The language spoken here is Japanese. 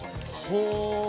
ほう！